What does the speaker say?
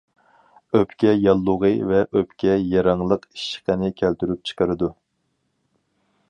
ئۆپكە ياللۇغى ۋە ئۆپكە يىرىڭلىق ئىششىقىنى كەلتۈرۈپ چىقىرىدۇ.